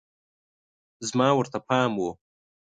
زما ورته پام و